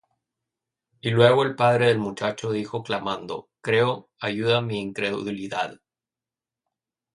Y luego el padre del muchacho dijo clamando: Creo, ayuda mi incredulidad.